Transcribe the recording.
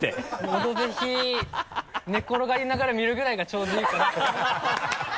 「オドぜひ」寝っ転がりながら見るぐらいがちょうどいいかなと